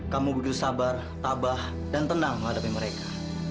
kamu begitu sabar tabah dan tenang menghadapi mereka